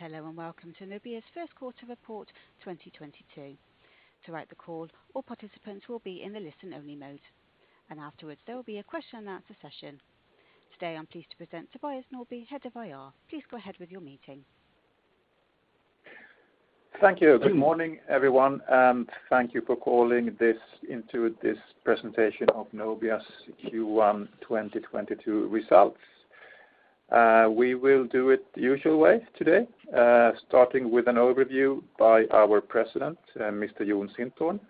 Hello and welcome to Nobia's Q1 report 2022. Throughout the call, all participants will be in the listen-only mode, and afterwards, there will be a Q&A session. Today, I'm pleased to present Tobias Norrby, Head of IR. Please go ahead with your meeting. Thank you. Good morning, everyone, and thank you for calling into this presentation of Nobia's Q1 2022 results. We will do it the usual way today, starting with an overview by our President, Mr. Jon Sintorn,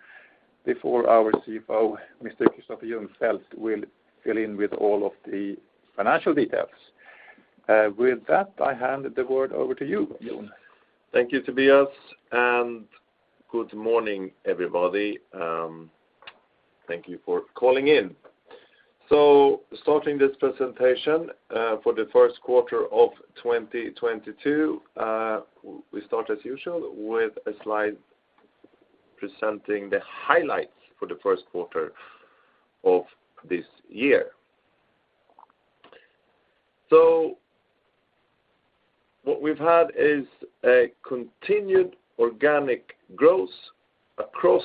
before our CFO, Mr. Kristoffer Ljungfelt, will fill in with all of the financial details. With that, I hand the word over to you, Jon. Thank you, Tobias, and good morning, everybody. Thank you for calling in. Starting this presentation, for the Q1 of 2022, we start as usual with a slide presenting the highlights for the Q1 of this year. What we've had is a continued organic growth across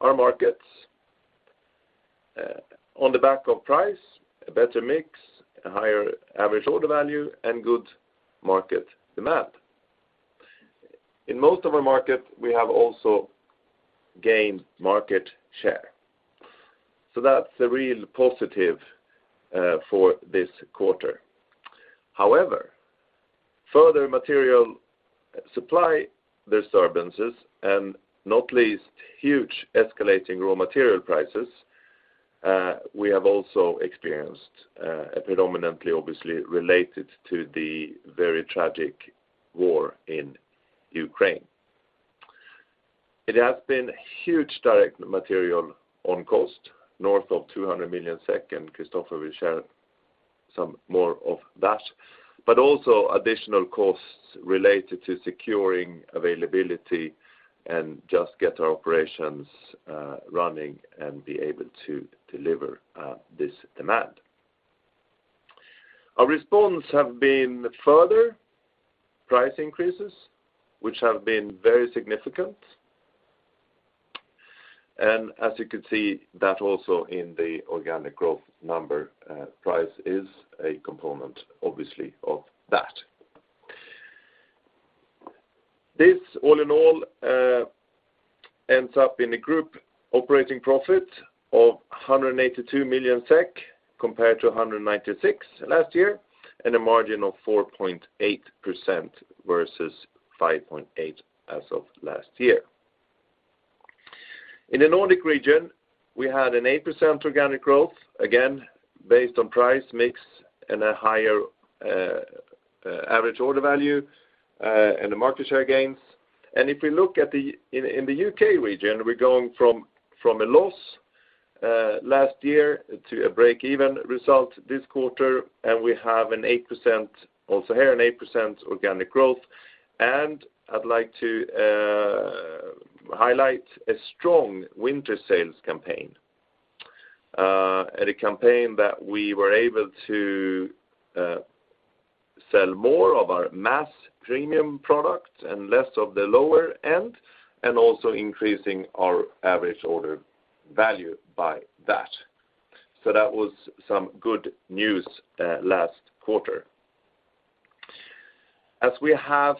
our markets, on the back of price, a better mix, a higher average order value, and good market demand. In most of our market, we have also gained market share. That's a real positive, for this quarter. However, further material supply disturbances and not least huge escalating raw material prices, we have also experienced, predominantly obviously related to the very tragic war in Ukraine. It has been huge direct material cost, north of 200 million SEK, and Kristoffer will share some more of that, but also additional costs related to securing availability and just get our operations running and be able to deliver this demand. Our response have been further price increases, which have been very significant. As you can see that also in the organic growth number, price is a component, obviously, of that. This, all in all, ends up in a group operating profit of 182 million SEK compared to 196 million last year, and a margin of 4.8% versus 5.8% as of last year. In the Nordic region, we had an 8% organic growth, again, based on price mix and a higher average order value and the market share gains. If we look at the U.K. region, we're going from a loss last year to a break-even result this quarter, and we have an 8% organic growth. I'd like to highlight a strong winter sales campaign and a campaign that we were able to sell more of our mass premium products and less of the lower end, and also increasing our average order value by that. That was some good news last quarter. As we have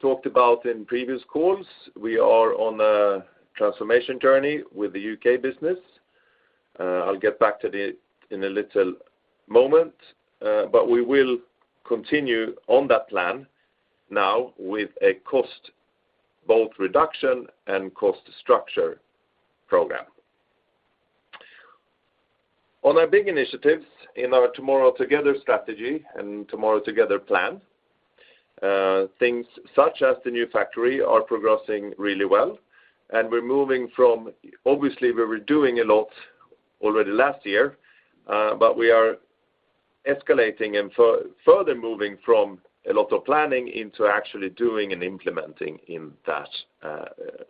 talked about in previous calls, we are on a transformation journey with the U.K. business. I'll get back to the U.K. in a little moment, but we will continue on that plan now with a cost reduction and cost structure program. On our big initiatives in our Tomorrow Together strategy and Tomorrow Together plan, things such as the new factory are progressing really well. We're moving from obviously, we were doing a lot already last year, but we are escalating and further moving from a lot of planning into actually doing and implementing in that,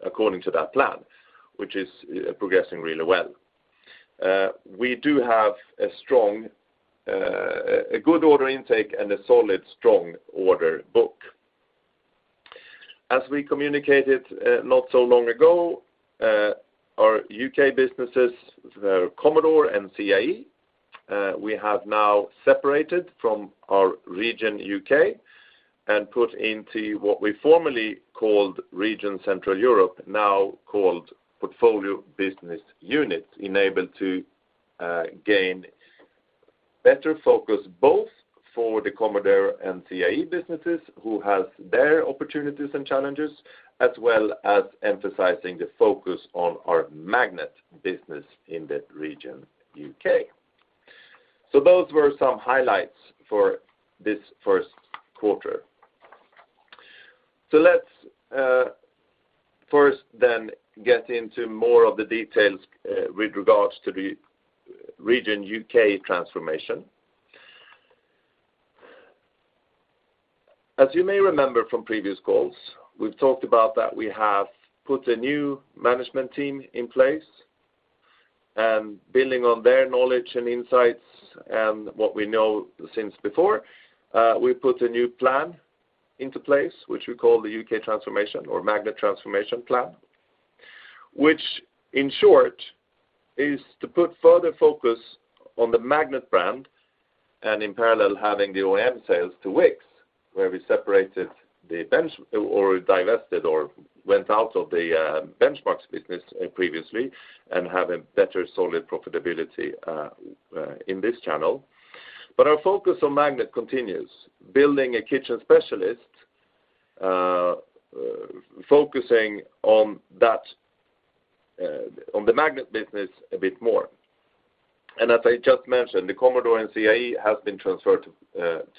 according to that plan, which is progressing really well. We do have a strong, a good order intake and a solid, strong order book. As we communicated, not so long ago, our U.K. businesses, the Commodore and CIE, we have now separated from our Region U.K. and put into what we formerly called Region Central Europe, now called Portfolio Business Units, enabled to gain better focus both for the Commodore and CIE businesses who have their opportunities and challenges, as well as emphasizing the focus on our Magnet business in the Region U.K. Those were some highlights for this Q1. Let's first then get into more of the details with regards to the Region U.K. transformation. As you may remember from previous calls, we've talked about that we have put a new management team in place. Building on their knowledge and insights, and what we know since before, we put a new plan into place, which we call the U.K. transformation or Magnet transformation plan, which in short is to put further focus on the Magnet brand and in parallel having the OEM sales to Wickes, where we separated the Benchmarx or divested or went out of the Benchmarx business previously and have a better solid profitability in this channel. Our focus on Magnet continues. Building a kitchen specialist, focusing on that, on the Magnet business a bit more. As I just mentioned, the Commodore and CIE has been transferred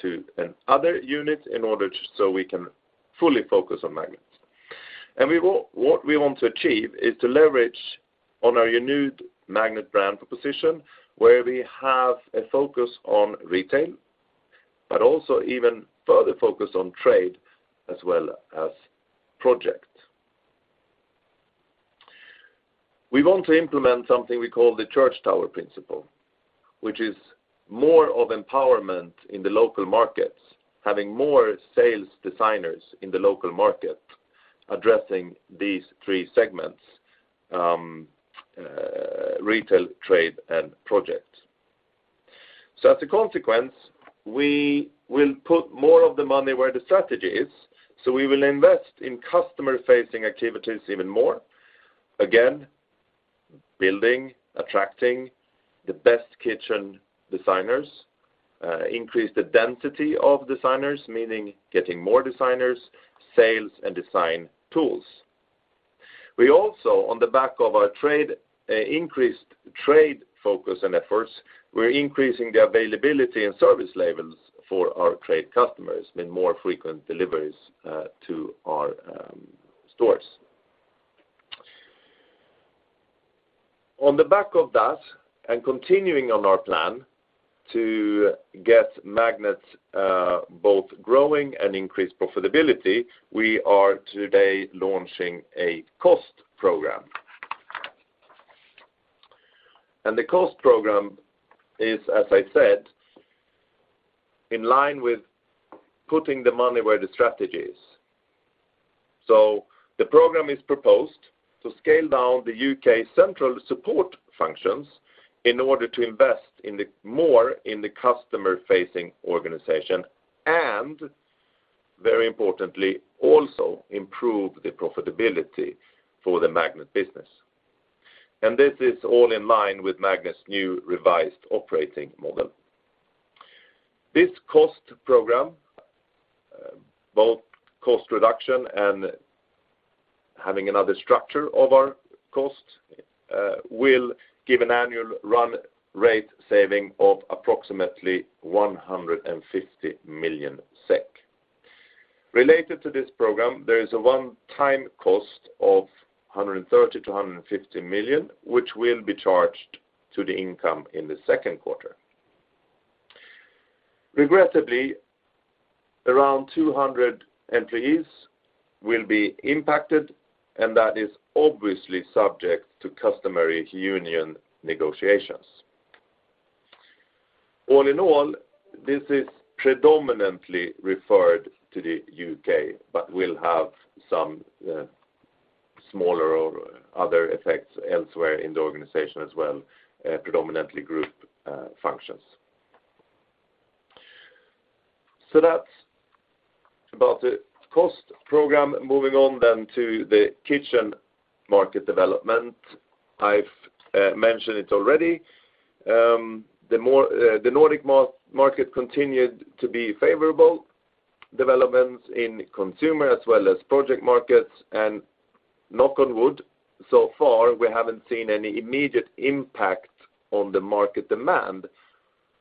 to another unit in order so we can fully focus on Magnet. We want. What we want to achieve is to leverage on our unique Magnet brand proposition, where we have a focus on retail, but also even further focus on trade as well as project. We want to implement something we call the church tower principle, which is more of empowerment in the local markets, having more sales designers in the local market addressing these three segments, retail, trade and project. As a consequence, we will put more of the money where the strategy is, so we will invest in customer-facing activities even more. Again, building, attracting the best kitchen designers, increase the density of designers, meaning getting more designers, sales and design tools. We also, on the back of our trade, increased trade focus and efforts, we're increasing the availability and service levels for our trade customers, meaning more frequent deliveries, to our stores. On the back of that, continuing on our plan to get Magnet both growing and increased profitability, we are today launching a cost program. The cost program is, as I said, in line with putting the money where the strategy is. The program is proposed to scale down the U.K. central support functions in order to invest more in the customer-facing organization, and very importantly, also improve the profitability for the Magnet business. This is all in line with Magnet's new revised operating model. This cost program, both cost reduction and having another structure of our cost, will give an annual run rate saving of approximately 150 million SEK. Related to this program, there is a one-time cost of 130 million-150 million, which will be charged to the income in the Q2. Regrettably, around 200 employees will be impacted, and that is obviously subject to customary union negotiations. All in all, this is predominantly referred to the U.K., but we'll have some smaller or other effects elsewhere in the organization as well, predominantly group functions. That's about the cost program. Moving on to the kitchen market development. I've mentioned it already. The Nordic market continued to see favorable developments in consumer as well as project markets, and knock on wood, so far, we haven't seen any immediate impact on the market demand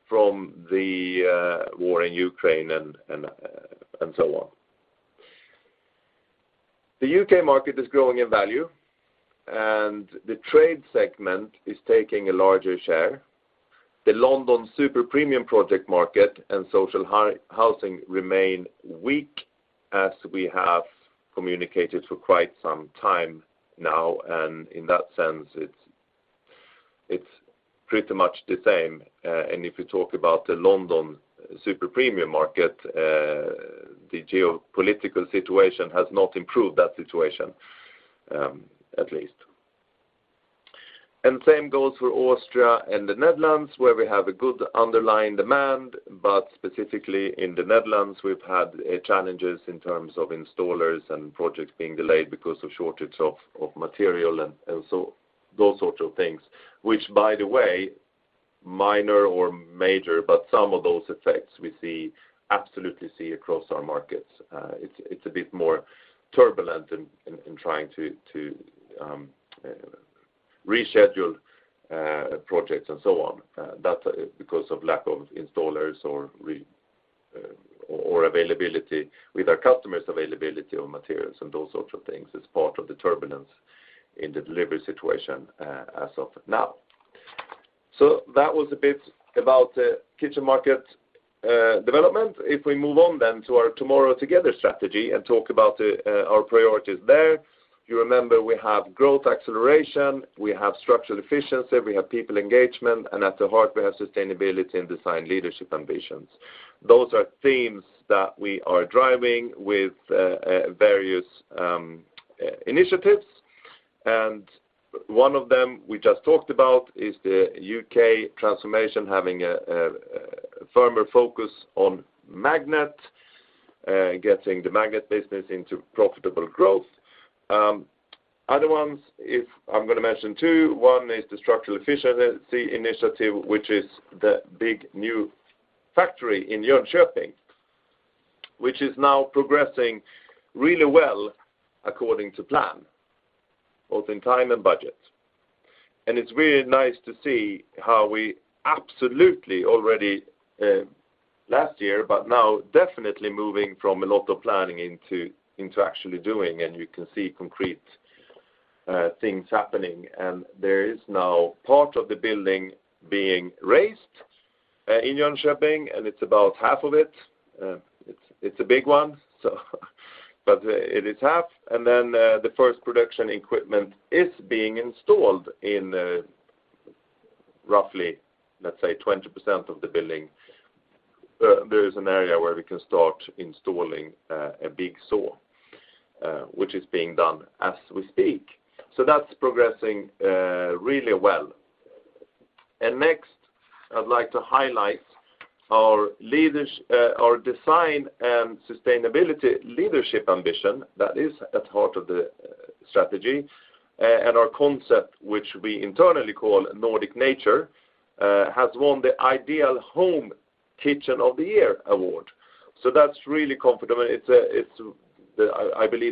from the war in Ukraine and so on. The U.K. market is growing in value and the trade segment is taking a larger share. The London super premium project market and social housing remain weak as we have communicated for quite some time now, and in that sense, it's pretty much the same. If you talk about the London super premium market, the geopolitical situation has not improved that situation, at least. Same goes for Austria and the Netherlands, where we have a good underlying demand, but specifically in the Netherlands, we've had challenges in terms of installers and projects being delayed because of shortage of material and so those sorts of things, which by the way, minor or major, but some of those effects we see, absolutely see across our markets. It's a bit more turbulent in trying to reschedule projects and so on. That's because of lack of installers or availability with our customers' availability of materials and those sorts of things as part of the turbulence in the delivery situation, as of now. That was a bit about the kitchen market development. If we move on to our Tomorrow Together strategy and talk about our priorities there. You remember we have growth acceleration, we have structural efficiency, we have people engagement, and at the heart we have sustainability and design leadership ambitions. Those are themes that we are driving with various initiatives. And one of them we just talked about is the U.K. transformation having a firmer focus on Magnet, getting the Magnet business into profitable growth. Other ones, if I'm gonna mention two, one is the structural efficiency initiative, which is the big new factory in Jönköping, which is now progressing really well according to plan, both in time and budget. It's really nice to see how we absolutely already last year, but now definitely moving from a lot of planning into actually doing, and you can see concrete things happening. There is now part of the building being raised in Jönköping, and it's about half of it. It's a big one. It is half, and then the first production equipment is being installed in roughly, let's say 20% of the building. There is an area where we can start installing a big saw, which is being done as we speak. That's progressing really well. Next, I'd like to highlight our design and sustainability leadership ambition that is at the heart of the strategy, and our concept, which we internally call Nordic Nature, has won the Ideal Home Kitchen of the Year Award. So that's really confident. It's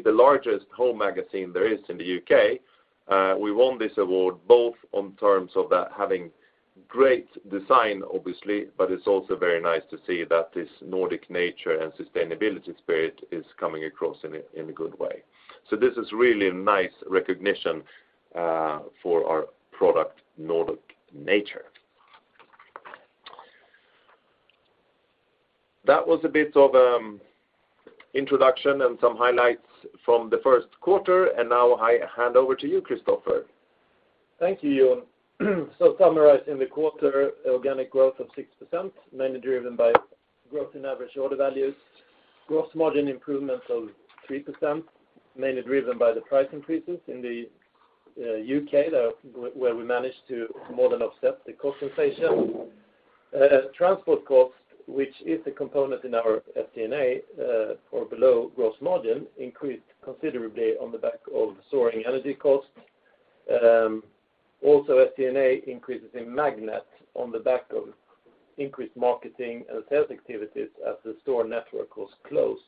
the largest home magazine there is in the U.K. We won this award both on terms of that having great design obviously, but it's also very nice to see that this Nordic Nature and sustainability spirit is coming across in a good way. So this is really a nice recognition for our product Nordic Nature. That was a bit of introduction and some highlights from the Q1, and now I hand over to you, Kristoffer. Thank you, Jon. Summarizing the quarter organic growth of 6%, mainly driven by growth in average order values. Gross margin improvements of 3%, mainly driven by the price increases in the U.K., where we managed to more than offset the cost inflation. Transport costs, which is a component in our FC&A, or below gross margin, increased considerably on the back of soaring energy costs. Also FC&A increases in Magnet on the back of increased marketing and sales activities as the store network was closed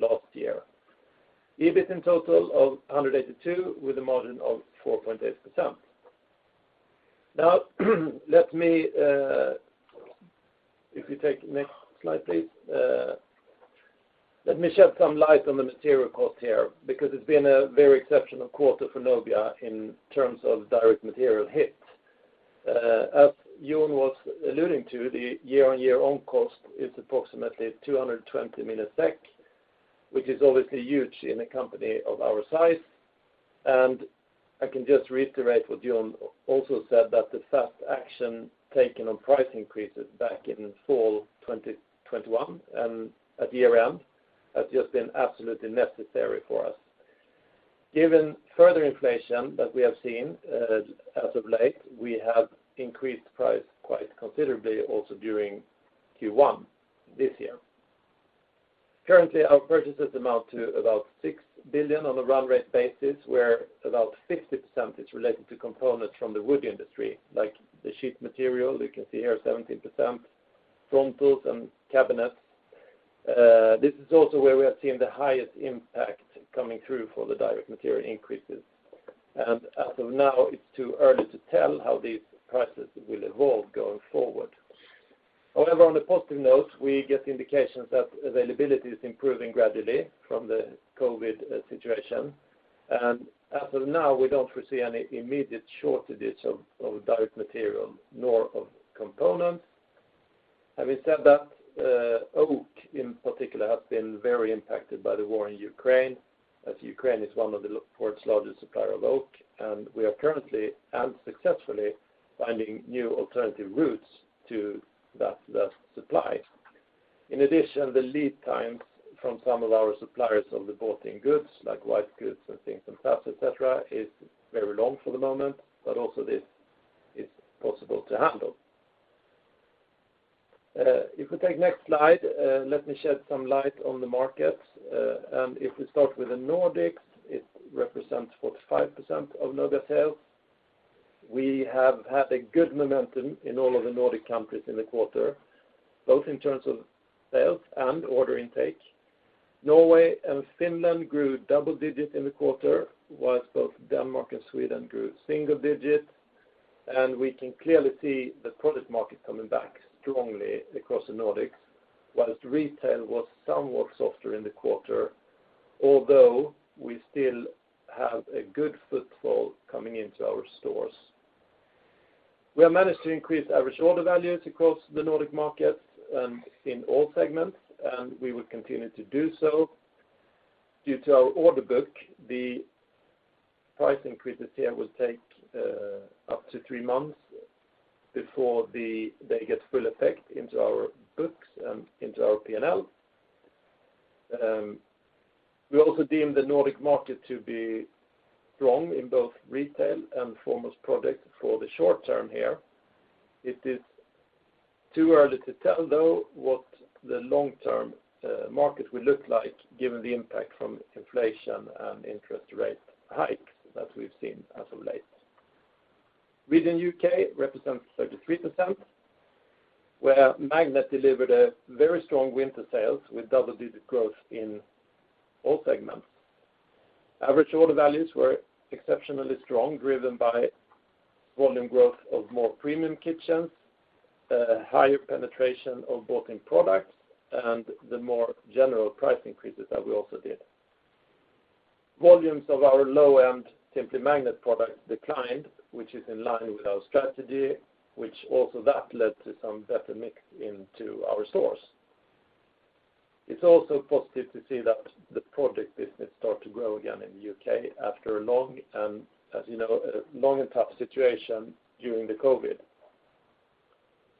last year. EBIT in total of 182 with a margin of 4.8%. Now let me. If you take next slide, please. Let me shed some light on the material cost here, because it's been a very exceptional quarter for Nobia in terms of direct material hits. As Jon was alluding to, the year-on-year own cost is approximately 220 million SEK, which is obviously huge in a company of our size. I can just reiterate what Jon also said, that the fast action taken on price increases back in fall 2021 and at year-end has just been absolutely necessary for us. Given further inflation that we have seen, as of late, we have increased price quite considerably also during Q1 this year. Currently, our purchases amount to about 6 billion on a run rate basis, where about 50% is related to components from the wood industry, like the sheet material, you can see here 17%, frontals and cabinets. This is also where we have seen the highest impact coming through for the direct material increases. As of now, it's too early to tell how these prices will evolve going forward. However, on a positive note, we get indications that availability is improving gradually from the COVID situation. As of now, we don't foresee any immediate shortages of direct material nor of components. Having said that, oak in particular has been very impacted by the war in Ukraine, as Ukraine is one of the world's largest supplier of oak, and we are currently and successfully finding new alternative routes to that supply. In addition, the lead times from some of our suppliers of the bought-in goods, like white goods and things and taps, et cetera, is very long for the moment, but also this is possible to handle. If we take next slide, let me shed some light on the markets. If we start with the Nordics, it represents 45% of Nobia sales. We have had a good momentum in all of the Nordic countries in the quarter, both in terms of sales and order intake. Norway and Finland grew double digits in the quarter, while both Denmark and Sweden grew single digits. We can clearly see the project market coming back strongly across the Nordics, while retail was somewhat softer in the quarter. Although we still have a good footfall coming into our stores. We have managed to increase average order values across the Nordic market and in all segments, and we will continue to do so. Due to our order book, the price increases here will take up to 3 months before they get full effect into our books and into our PNL. We also deem the Nordic market to be strong in both retail and, foremost, products for the short term here. It is too early to tell though what the long-term market will look like given the impact from inflation and interest rate hikes that we've seen as of late. The U.K. represents 33%, where Magnet delivered a very strong winter sales with double-digit growth in all segments. Average order values were exceptionally strong, driven by volume growth of more premium kitchens, higher penetration of booking products, and the more general price increases that we also did. Volumes of our low-end Simply Magnet products declined, which is in line with our strategy, which also led to some better mix into our stores. It's also positive to see that the project business start to grow again in the U.K. after a long and tough situation during the COVID.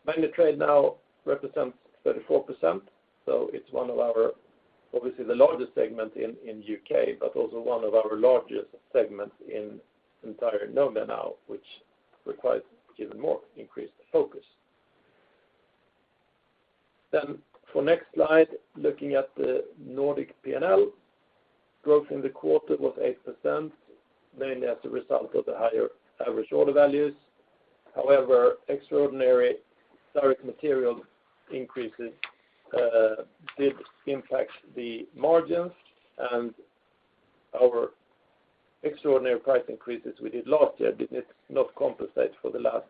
Magnet Trade now represents 34%, so it's one of our obviously the largest segment in U.K., but also one of our largest segments in entire Nobia now, which requires even more increased focus. For next slide, looking at the Nordic PNL, growth in the quarter was 8%, mainly as a result of the higher average order values. However, extraordinary direct material increases did impact the margins, and our extraordinary price increases we did last year did not compensate for the last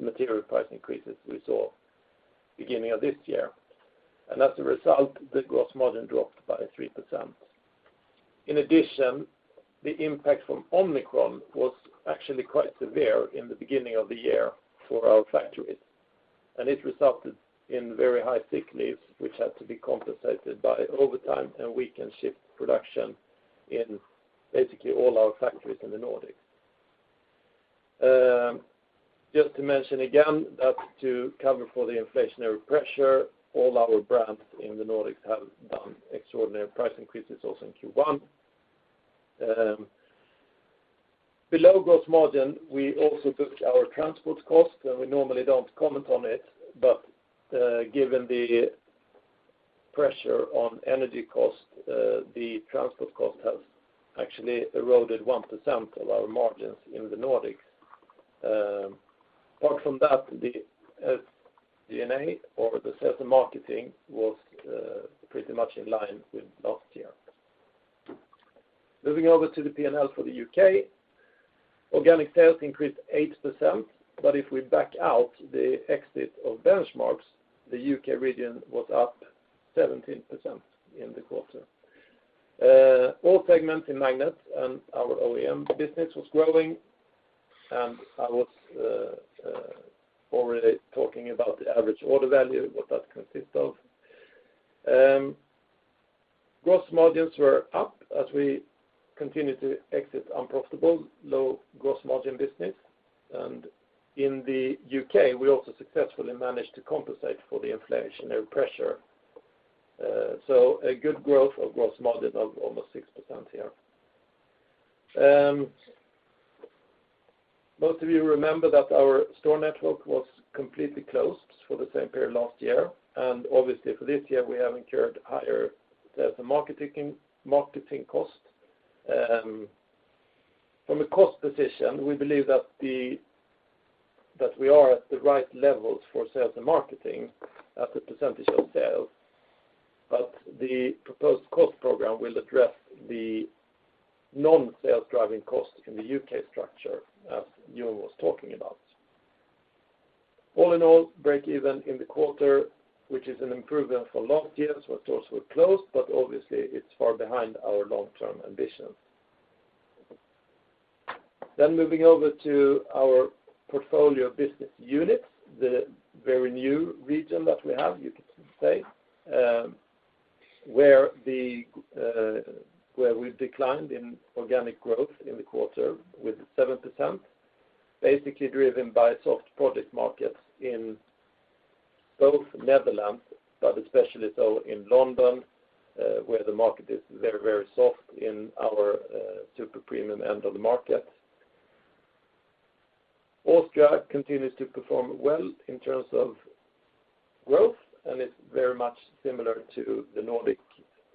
material price increases we saw beginning of this year. As a result, the gross margin dropped by 3%. In addition, the impact from Omicron was actually quite severe in the beginning of the year for our factories. It resulted in very high sick leaves, which had to be compensated by overtime, and we can shift production in basically all our factories in the Nordics. Just to mention again that to cover for the inflationary pressure, all our brands in the Nordics have done extraordinary price increases also in Q1. Below gross margin, we also book our transport costs, and we normally don't comment on it. Given the pressure on energy costs, the transport cost has actually eroded 1% of our margins in the Nordics. Apart from that, the SD&A or the sales and marketing was pretty much in line with last year. Moving over to the PNL for the U.K., organic sales increased 8%. If we back out the exit of Benchmarx, the U.K. region was up 17% in the quarter. All segments in Magnet and our OEM business was growing, and I was already talking about the average order value, what that consists of. Gross margins were up as we continued to exit unprofitable, low gross margin business. In the U.K., we also successfully managed to compensate for the inflationary pressure. A good growth of gross margin of almost 6% here. Most of you remember that our store network was completely closed for the same period last year. Obviously for this year we have incurred higher sales and marketing cost. From a cost position, we believe that we are at the right levels for sales and marketing at a percentage of sales, but the proposed cost program will address the non-sales driving costs in the U.K. structure, as Jon was talking about. All in all, break even in the quarter, which is an improvement for last year where stores were closed, but obviously it's far behind our long-term ambitions. Moving over to our portfolio of business units, the very new region that we have, you could say, where we've declined in organic growth in the quarter with 7%, basically driven by soft project markets in both Netherlands, but especially so in Austria, where the market is very, very soft in our super premium end of the market. Austria continues to perform well in terms of growth, and it's very much similar to the Nordic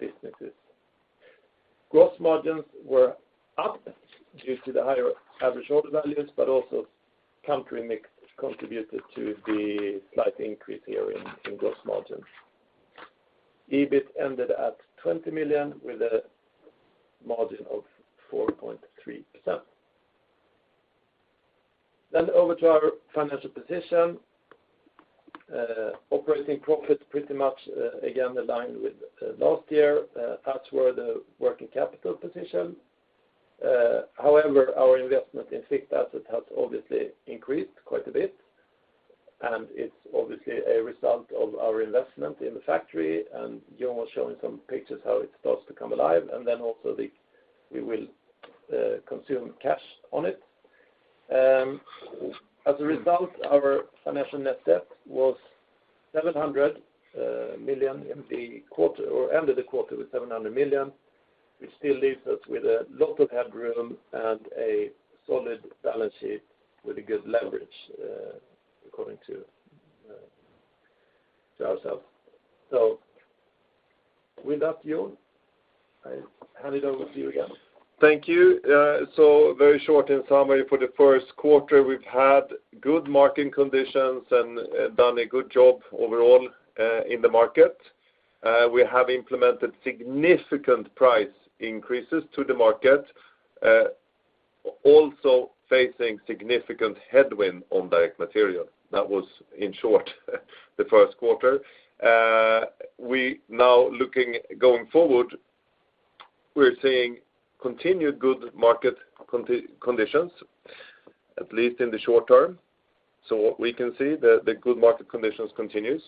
businesses. Gross margins were up due to the higher average order values, but also country mix contributed to the slight increase here in gross margin. EBIT ended at 20 million with a margin of 4.3%. Over to our financial position, operating profit pretty much again aligned with last year, that's where the working capital position. However, our investment in fixed asset has obviously increased quite a bit, and it's obviously a result of our investment in the factory, and Jon was showing some pictures how it starts to come alive, and then also we will consume cash on it. As a result, our financial net debt was 700 million in the quarter or end of the quarter with 700 million, which still leaves us with a lot of headroom and a solid balance sheet with a good leverage, according to ourselves. With that, Jon, I hand it over to you again. Thank you. So very short in summary, for the Q1, we've had good market conditions and done a good job overall in the market. We have implemented significant price increases to the market, also facing significant headwind on direct material. That was, in short, the Q1. We're now looking going forward; we're seeing continued good market conditions, at least in the short term. What we can see, the good market conditions continues.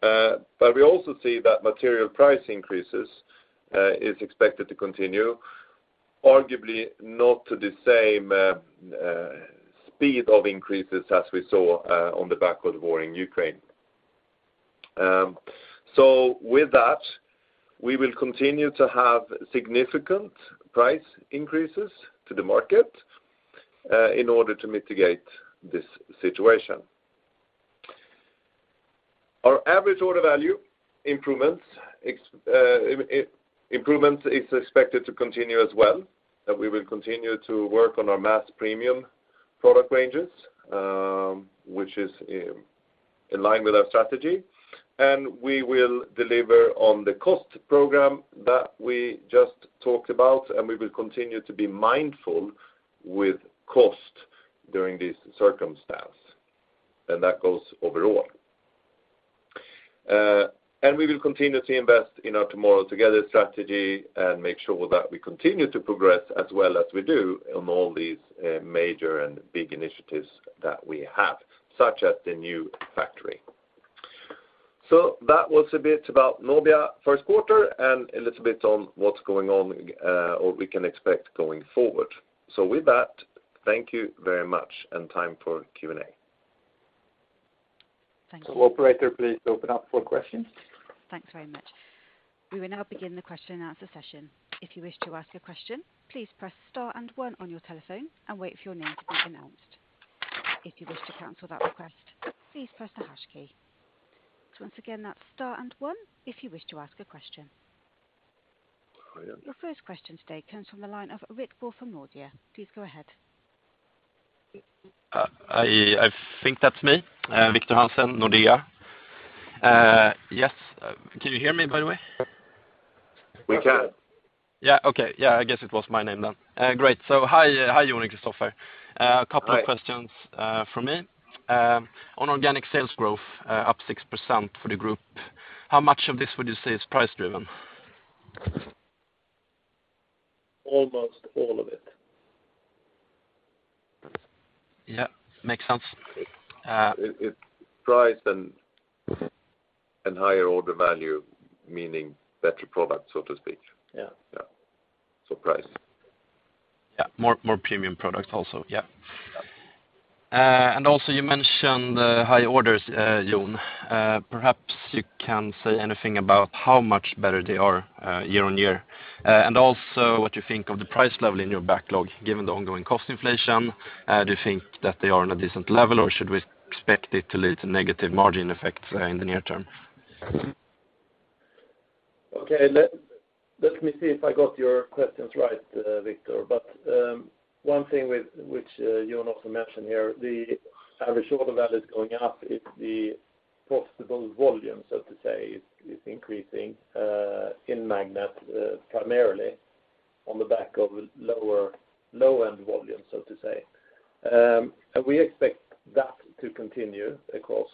But we also see that material price increases is expected to continue, arguably not to the same speed of increases as we saw against the backdrop of the war in Ukraine. With that, we will continue to have significant price increases to the market in order to mitigate this situation. Our average order value improvements is expected to continue as well, that we will continue to work on our mass premium product ranges, which is in line with our strategy. We will deliver on the cost program that we just talked about, and we will continue to be mindful with cost during this circumstance. That goes overall. We will continue to invest in our Tomorrow Together strategy and make sure that we continue to progress as well as we do on all these major and big initiatives that we have, such as the new factory. That was a bit about Nobia Q1 and a little bit on what's going on, or we can expect going forward. With that, thank you very much, and time for Q&A. Thank you. Operator, please open up for questions. Thanks very much. We will now begin the question and answer session. If you wish to ask a question, please press star and one on your telephone and wait for your name to be announced. If you wish to cancel that request, please press the hash key. Once again, that's star and one if you wish to ask a question. Hi again. Your first question today comes from the line of Victor Hansen from Nordea. Please go ahead. I think that's me, Victor Hansen, Nordea. Yes. Can you hear me by the way? We can. Yeah. Okay. Yeah, I guess it was my name then. Great. Hi, hi, Jon and Kristoffer. Hi. A couple of questions from me. On organic sales growth up 6% for the group, how much of this would you say is price driven? Almost all of it. Yeah, makes sense. It's price and higher order value, meaning better product, so to speak. Yeah. Yeah. Price. Yeah. More premium product also. Yeah. Yeah. You mentioned the high orders, Jon. Perhaps you can say anything about how much better they are, year on year. What you think of the price level in your backlog given the ongoing cost inflation. Do you think that they are on a decent level, or should we expect it to lead to negative margin effects, in the near term? Okay. Let me see if I got your questions right, Victor. One thing which Jon also mentioned here, the average order value is going up, and the possible volume, so to say, is increasing in Magnet primarily on the back of low-end volume, so to say. We expect that to continue, of course.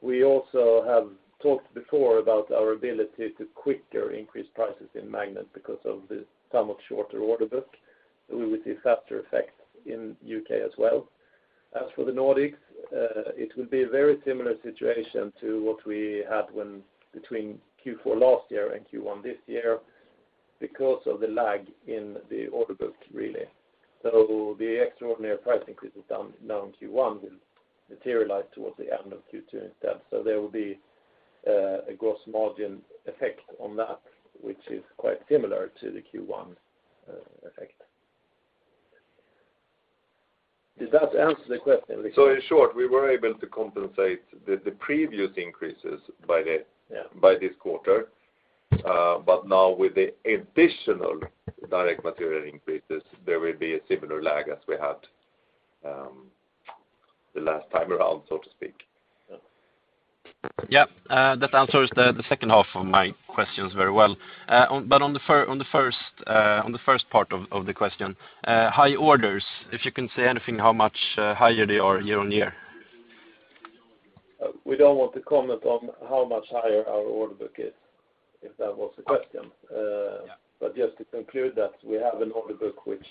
We also have talked before about our ability to quicker increase prices in Magnet because of the somewhat shorter order book. We will see faster effects in U.K. as well. As for the Nordics, it will be a very similar situation to what we had between Q4 last year and Q1 this year because of the lag in the order book, really. The extraordinary price increases done now in Q1 will materialize towards the end of Q2 instead. There will be a gross margin effect on that, which is quite similar to the Q1 effect. Does that answer the question, Victor? In short, we were able to compensate the previous increases by the- Yeah By this quarter. Now with the additional direct material increases, there will be a similar lag as we had, the last time around, so to speak. Yeah. Yeah. That answers the H2 of my questions very well. On the first part of the question, high orders, if you can say anything, how much higher they are year-on-year? We don't want to comment on how much higher our order book is, if that was the question. Yeah. Just to conclude that we have an order book which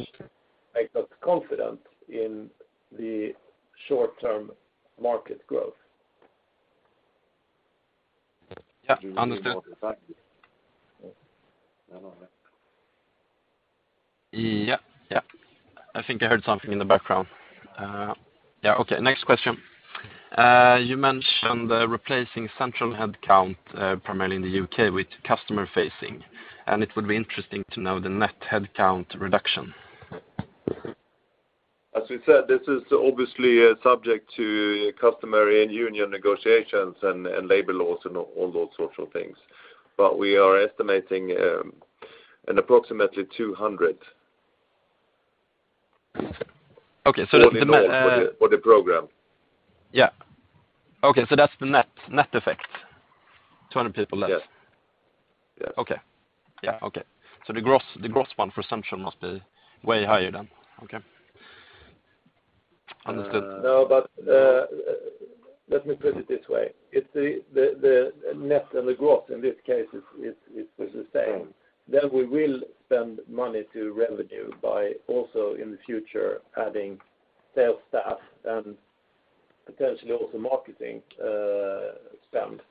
makes us confident in the short-term market growth. Understood. I think I heard something in the background. Yeah, okay. Next question. You mentioned replacing central headcount primarily in the U.K. with customer facing, and it would be interesting to know the net headcount reduction. As we said, this is obviously subject to customer and union negotiations and labor laws and all those sorts of things. We are estimating an approximately 200- Okay. The net. For the program. Yeah. Okay, that's the net effect? 200 people less. Yes. Yes. Okay. Yeah. Okay. The gross one for assumption must be way higher than. Okay. Understood. No, let me put it this way. It's the net and the gross in this case is the same. We will spend money to drive revenue by also in the future adding sales staff and potentially also marketing spend.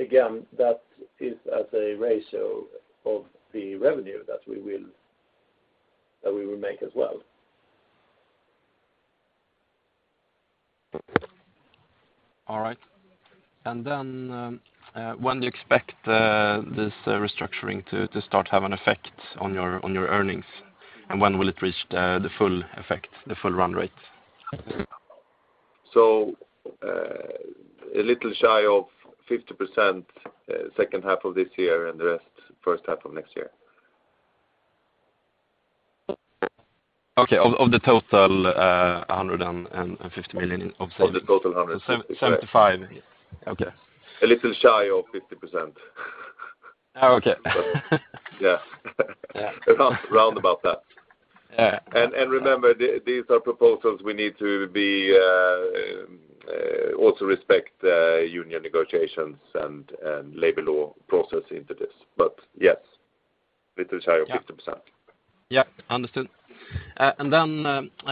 Again, that is as a ratio of the revenue that we will make as well. All right. When do you expect this restructuring to start to have an effect on your earnings? When will it reach the full effect, the full run rate? A little shy of 50%, H2 of this year and the rest H1 of next year. Okay. Of the total, 150 million of- Of the total 100. 75. Yes. Okay. A little shy of 50%. Oh, okay. Yeah. Yeah. Around about that. Yeah. Remember, these are proposals we need to be also respect union negotiations and labor law process into this. Yes, little shy of 50%. Yeah. Understood.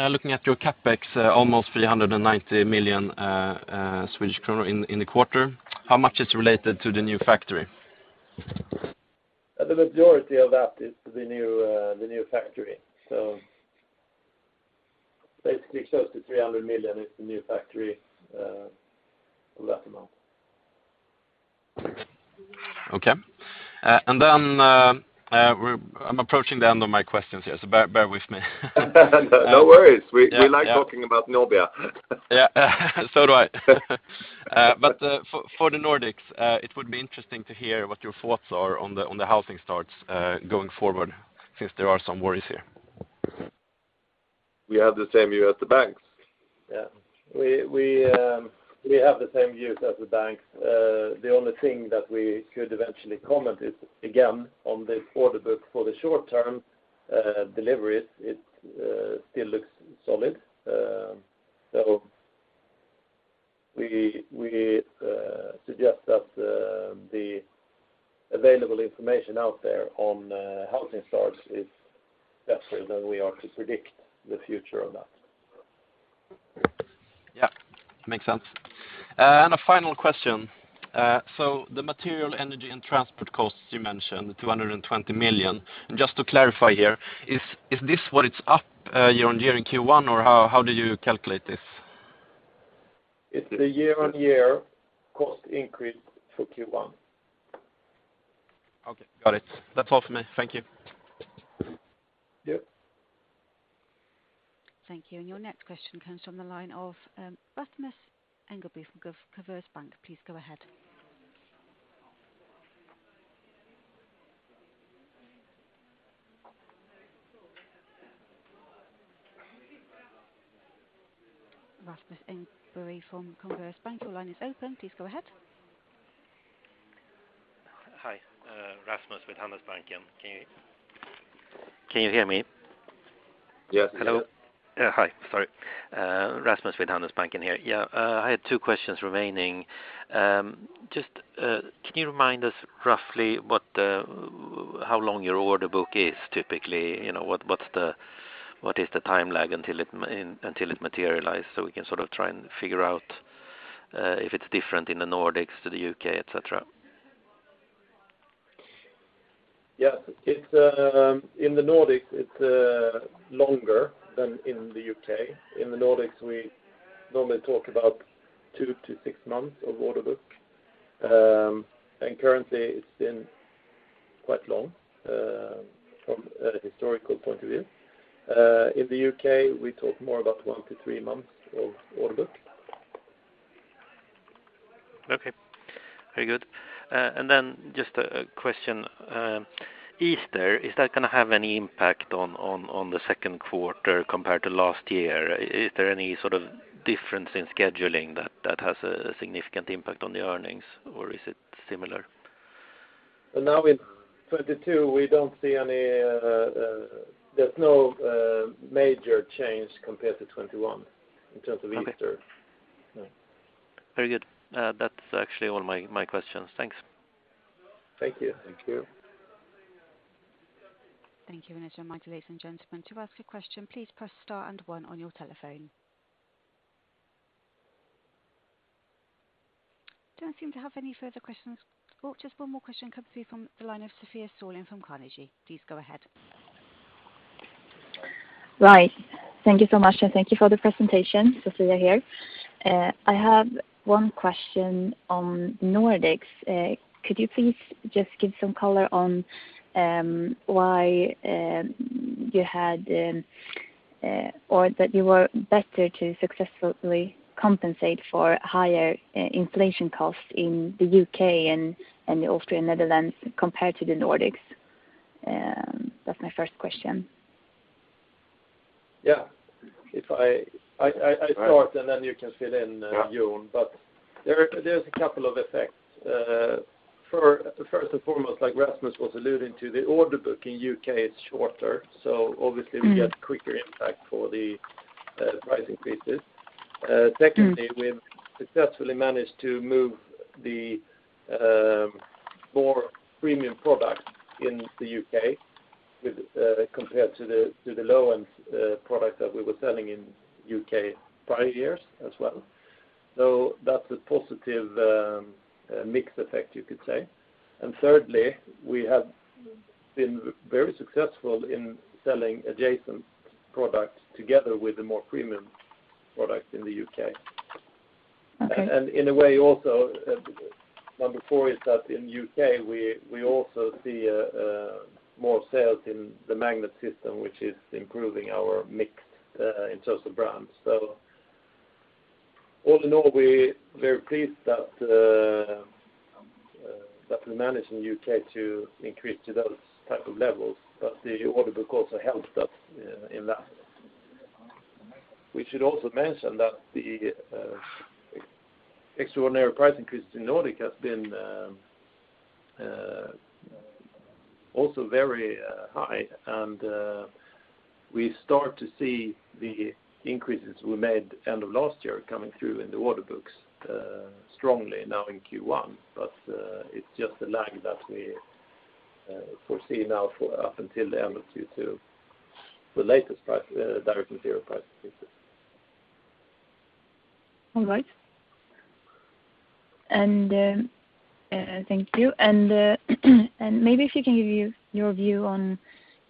Looking at your CapEx, almost 390 million Swedish kronor in the quarter, how much is related to the new factory? The majority of that is the new factory. Basically close to 300 million is the new factory, of that amount. Okay. I'm approaching the end of my questions here, so bear with me. No worries. Yeah. Yeah. We like talking about Nobia. Yeah. So do I. But for the Nordics, it would be interesting to hear what your thoughts are on the housing starts going forward since there are some worries here. We have the same view as the banks. The only thing that we could eventually comment is, again, on this order book for the short term deliveries. It still looks solid. We suggest that the available information out there on housing starts is better than we are to predict the future of that. Yeah. Makes sense. A final question. So the material energy and transport costs you mentioned, 220 million. Just to clarify here, is this what it's up year-on-year in Q1, or how do you calculate this? It's the year-over-year cost increase for Q1. Okay. Got it. That's all for me. Thank you. Yep. Thank you. Your next question comes from the line of Rasmus Engberg from Handelsbanken. Please go ahead. Rasmus Engberg from Handelsbanken, your line is open. Please go ahead. Hi. Rasmus Engberg with Handelsbanken. Can you hear me? Yes. Rasmus Engberg with Handelsbanken here. I had two questions remaining. Just, can you remind us roughly what how long your order book is typically? You know, what is the time lag until it materialize, so we can sort of try and figure out if it's different in the Nordics to the U.K., etc? Yes. It's in the Nordics, it's longer than in the U.K.. In the Nordics, we normally talk about 2 to 6 months of order book. Currently it's been quite long from a historical point of view. In the U.K. we talk more about 1 to 3 months of order book. Okay. Very good. Just a question. Easter, is that going to have any impact on the Q2 compared to last year? Is there any sort of difference in scheduling that has a significant impact on the earnings or is it similar? Now in 2022, we don't see any, there's no major change compared to 2021 in terms of Easter. Okay. Very good. That's actually all my questions. Thanks. Thank you. Thank you. Thank you. As a reminder, ladies and gentlemen, to ask a question, please press star and one on your telephone. Don't seem to have any further questions. Oh, just one more question coming through from the line of Sofia Sörling from Carnegie. Please go ahead. Right. Thank you so much, and thank you for the presentation. Sofia here. I have one question on Nordics. Could you please just give some color on why you had or that you were better to successfully compensate for higher inflation costs in the U.K. and the Austria and Netherlands compared to the Nordics? That's my first question. Yeah. All right. I start, and then you can fill in, Jon. Yeah. There, there's a couple of effects. First and foremost, like Rasmus was alluding to, the order book in U.K. is shorter. Obviously. Mm-hmm We get quicker impact for the price increases. Mm-hmm. Secondly, we've successfully managed to move the more premium products in the U.K. compared to the low-end product that we were selling in U.K. prior years as well. That's a positive mix effect, you could say. Thirdly, we have been very successful in selling adjacent products together with the more premium products in the U.K. Okay. In a way, also, number four is that in U.K., we also see more sales in the Magnet segment, which is improving our mix in terms of brands. All in all, we're very pleased that we managed in U.K. to increase to those type of levels, but the order book also helped us in that. We should also mention that the extraordinary price increase in Nordic has been also very high and we start to see the increases we made end of last year coming through in the order books strongly now in Q1. It's just a lag that we foresee now for up until the end of Q2, the latest price direct material price increases. All right. Thank you. Maybe if you can give your view on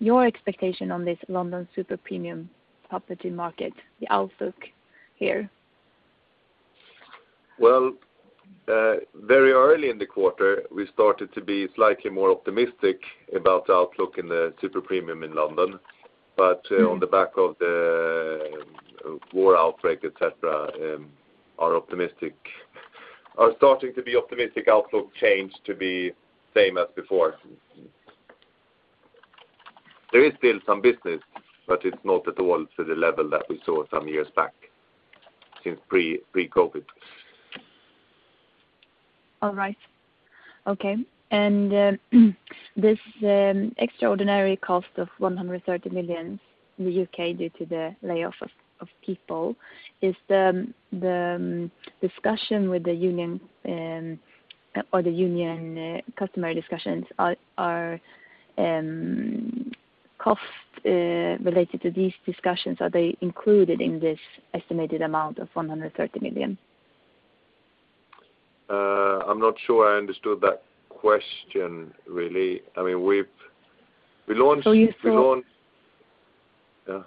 your expectation on this London super premium project market, the outlook here. Well, very early in the quarter, we started to be slightly more optimistic about the outlook in the super premium in London. Mm-hmm On the back of the war outbreak, etc, are optimistic. Are starting to be optimistic outlook change to be same as before. There is still some business, but it's not at all to the level that we saw some years back since pre-COVID. All right. Okay. This extraordinary cost of 130 million in the U.K. due to the layoff of people, is the discussion with the union, or the union customary discussions are cost related to these discussions, are they included in this estimated amount of 130 million? I'm not sure I understood that question really. I mean, we launched You said. We launched. Yeah.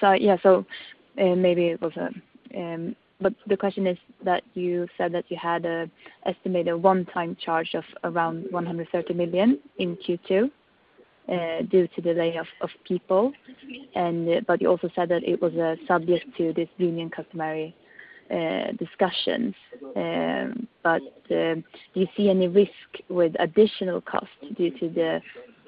Sorry. Yeah. The question is that you said that you had estimated one-time charge of around 130 million in Q2 due to the layoff of people. You also said that it was subject to this union customary discussions. Do you see any risk with additional costs due to the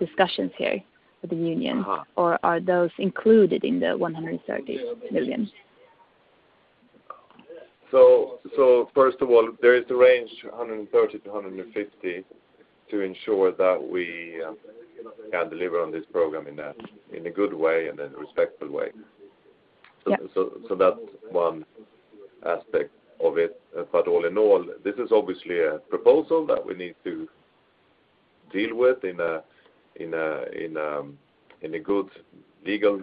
discussions here with the union? Uh-huh. Are those included in the 130 million? First of all, there is the range 130 to 150 to ensure that we can deliver on this program in a good way and in a respectful way. Yeah. That's one aspect of it. All in all, this is obviously a proposal that we need to deal with in a good legal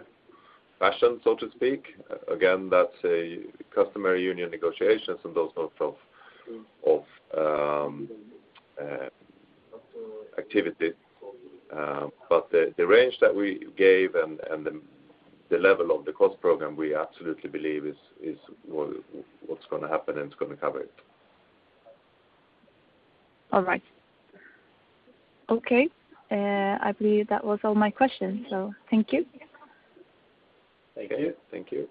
fashion, so to speak. Again, that's a customary union negotiations and those sort of activity. The range that we gave and the level of the cost program we absolutely believe is what's going to happen and it's going to cover it. All right. Okay. I believe that was all my questions. Thank you. Thank you. Thank you.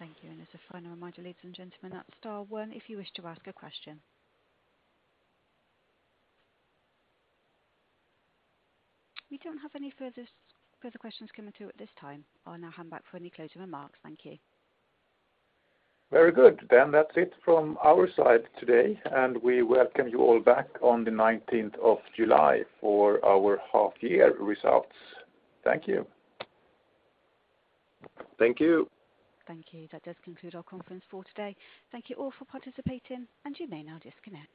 Thank you. As a final reminder, ladies and gentlemen, at star one if you wish to ask a question. We don't have any further questions coming through at this time. I'll now hand back for any closing remarks. Thank you. Very good. That's it from our side today, and we welcome you all back on the 19th of July for our half year results. Thank you. Thank you. Thank you. That does conclude our conference for today. Thank you all for participating, and you may now disconnect.